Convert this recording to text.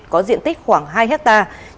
có diện tích khoảng hai hectare